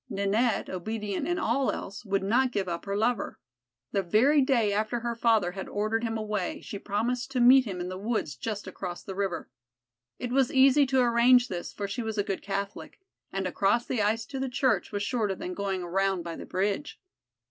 Ninette, obedient in all else, would not give up her lover. The very day after her father had ordered him away she promised to meet him in the woods just across the river. It was easy to arrange this, for she was a good Catholic, and across the ice to the church was shorter than going around by the bridge.